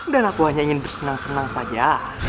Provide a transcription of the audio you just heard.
dan aku hanya ingin bersenang senang saja